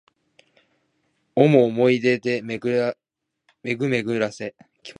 想おもい出で巡めぐらせ